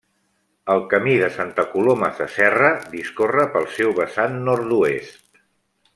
El Camí de Santa Coloma Sasserra discorre pel seu vessant nord-oest.